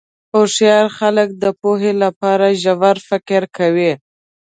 هوښیار خلک د پوهې لپاره ژور فکر کوي.